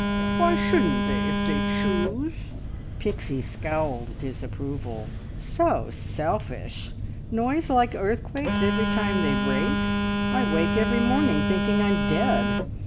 "Why shouldn't they, if they choose?" Pixie scowled disapproval. "So selfish! Noise like earthquakes every time they rake. I wake every morning thinking I'm dead.